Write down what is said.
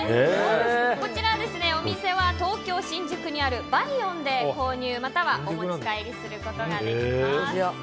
こちら、お店は東京・新宿にあるバイヨンで購入またはお持ち帰りすることができます。